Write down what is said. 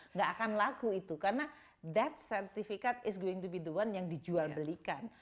nggak akan laku itu karena that sertifikat is going to be the one yang dijual belikan